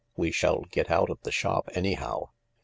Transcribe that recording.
We shall get out of the shop, anyhow.